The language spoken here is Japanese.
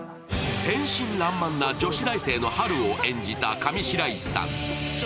天真爛漫な女子大生のハルを演じた上白石さん。